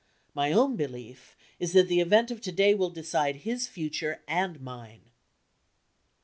My own belief is that the event of to day will decide his future and mine.